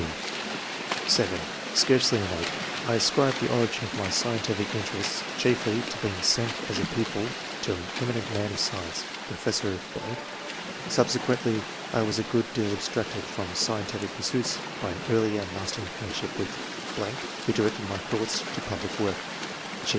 (c) (7) Scarcely innate. , I ascribe the origin of my scientific interests chiefly to being sent as a pupil to an eminent man of science. Professor .... Subsequently I was a good deal abstracted from scientific pursuits by an early and lasting friendship with ....^ who directed my thoughts to public work."